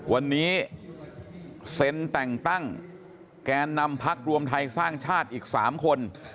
วันนี้เซ็นแต่งตั้งแกนนำพักรวมไทยสร้างชาติอีก๓คน